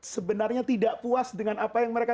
sebenarnya tidak puas dengan apa yang mereka